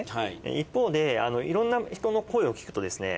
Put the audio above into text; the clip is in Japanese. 一方でいろんな人の声を聞くとですね